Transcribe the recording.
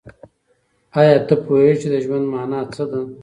آیا ته پوهېږې چې د ژوند مانا څه ده؟